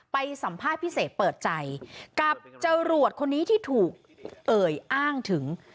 ไปสัมภาษณ์พิเศษเปิดใจกับจรวดคนนี้ที่ถูกเอ่ยอ้างถึง